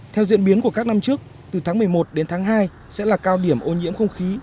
theo diễn biến của các năm trước từ tháng một mươi một đến tháng hai sẽ là cao điểm ô nhiễm không khí